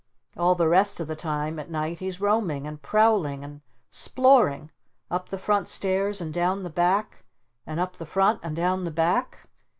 All the rest of the time at night he's roaming! And prowling! And s'ploring! Up the front stairs and down the back and up the front and down the back!